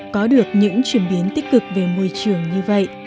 có được những chuyển biến tích cực về môi trường như vậy